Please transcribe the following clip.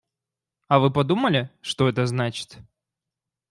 А вы подумали, что это значит?